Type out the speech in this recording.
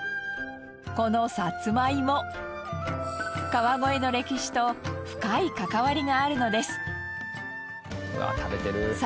このさつまいも川越の歴史と深い関わりがあるのです。